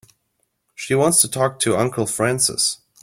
She wants to talk to Uncle Francis.